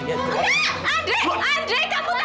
keluar dari rumah saya